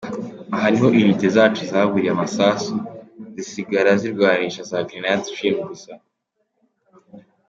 Aha niho unités zacu zaburiye amasasu, zisigara zirwanisha za grenades strim gusa.